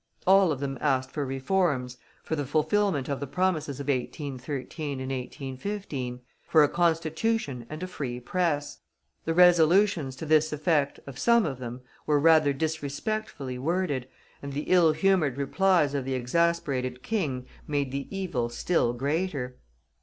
All of them asked for reforms, for the fulfilment of the promises of 1813 and 1815, for a Constitution and a Free Press; the resolutions to this effect of some of them were rather disrespectfully worded, and the ill humored replies of the exasperated King made the evil still greater.